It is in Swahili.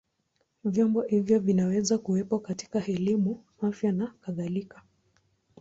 Vyombo hivyo vinaweza kuwepo katika elimu, afya na kadhalika.